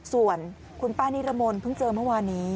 ส่วนคุณป้านิรมนต์เพิ่งเจอเมื่อวานี้